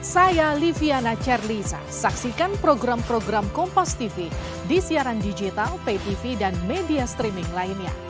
saya liviana cerlisa saksikan program program kompastv di siaran digital paytv dan media streaming lainnya